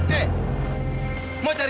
hei mas iksan